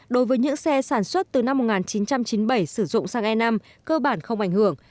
đối với những xe sản xuất từ năm một nghìn chín trăm chín mươi bảy sử dụng sang e năm cơ bản không ảnh hưởng